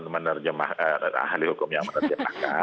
menerjemahkan ahli hukum yang menerjemahkan